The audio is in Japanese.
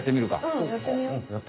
うんやってみよう。